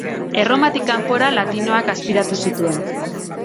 Erromatik kanpora, latinoak azpiratu zituen.